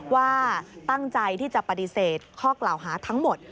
ว่าตั้งใจที่จะปฏิเสธข้อกล่าวหาทั้งหมด